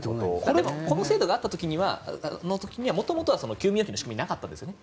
この制度があった時には元々は休眠預金の仕組みはなかったんですよね。